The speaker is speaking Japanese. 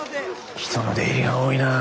人の出入りが多いな。